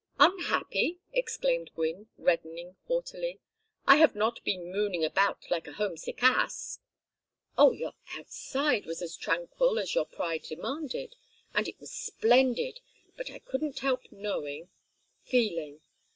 "Unhappy!" exclaimed Gwynne, reddening haughtily. "I have not been mooning about like a homesick ass " "Oh, your outside was as tranquil as your pride demanded and it was splendid! But I couldn't help knowing feeling.